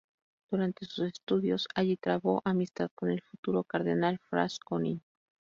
Durante sus estudios allí trabó amistad con el futuro cardenal Franz König.